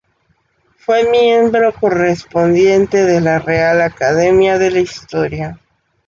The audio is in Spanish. Fue miembro correspondiente de la Real Academia de la Historia.